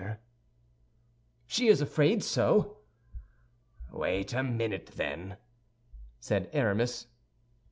* Haberdasher "She is afraid so." "Wait a minute, then," said Aramis.